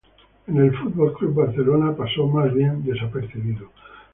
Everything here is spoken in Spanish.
En el Fútbol Club Barcelona pasó más bien desapercibido.